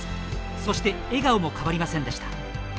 そして笑顔も変わりませんでした。